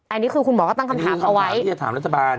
อันนี้คือคุณหมอก็ตั้งคำถามเอาไว้อันนี้คือคำถามที่จะถามรัฐบาล